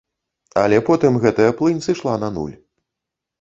Але потым гэтая плынь сышла на нуль.